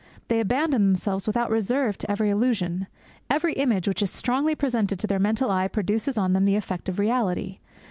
They abandon themselves without reserve to every illusion. Every image which is strongly presented to their mental eye produces on them the effect of reality.